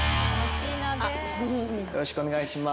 よろしくお願いします。